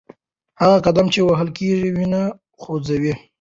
هغه قدم چې وهل کېږي وینه خوځوي.